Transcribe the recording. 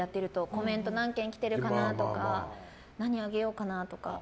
コメント何件来てるかなとか何を上げようかなとか。